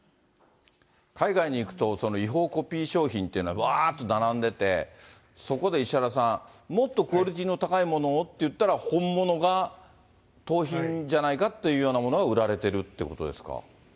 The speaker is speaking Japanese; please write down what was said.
海外に行くと、違法コピー商品というのはわーっと並んでて、そこで石原さん、もっとクオリティーの高いものをって言ったら、本物が、盗品じゃないかってものが売られてるっていうことですか？